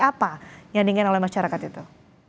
apa yang diinginkan oleh masyarakat itu